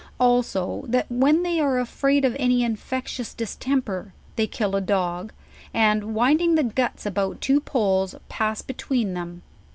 Also, that when they are afraid of any infectious distemper, they kill a dog, and winding the guts about two poles, pass between them..